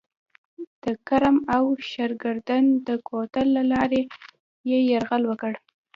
د کرم او شترګردن د کوتل له لارې یې یرغل وکړ.